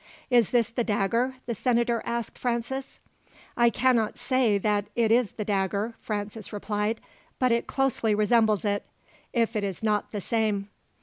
"Is this the dagger?" the senator asked Francis. "I cannot say that it is the dagger," Francis replied; "but it closely resembles it, if it is not the same."